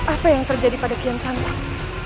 apa yang terjadi pada kian santang